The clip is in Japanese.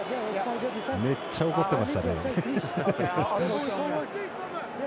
めっちゃ怒ってましたね。